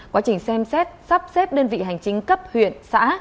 quá trình xem xét sắp xếp đơn vị hành chính cấp huyện xã